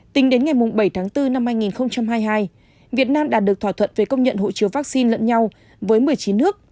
tính đến ngày bảy tháng bốn năm hai nghìn hai mươi hai việt nam đạt được thỏa thuận về công nhận hộ chiếu vaccine lẫn nhau với một mươi chín nước